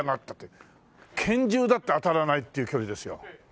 拳銃だって当たらないっていう距離ですよ。